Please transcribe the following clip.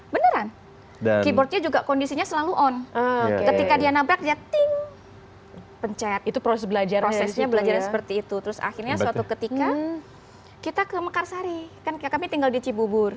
menggapai meda li tertinggi